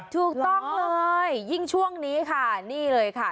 ถูกต้องเลยยิ่งช่วงนี้ค่ะนี่เลยค่ะ